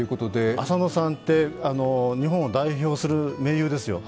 浅野さんって、日本を代表する名優ですよ。